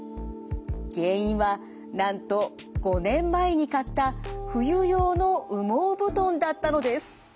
原因はなんと５年前に買った冬用の羽毛布団だったのです。